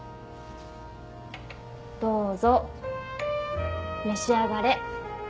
どうぞ召し上がれ。